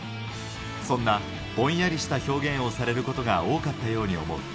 そんなぼんやりした表現をされることが多かったように思う。